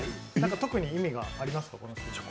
特に意味がありますか？